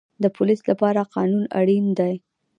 د پولیس لپاره قانون اړین دی